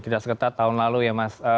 tidak seketat tahun lalu ya mas